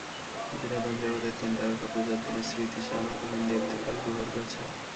বিনোদনজগতের তিন তারকা পূজার দিনের স্মৃতিচারণা করলেন দেব দুলাল গুহর কাছে।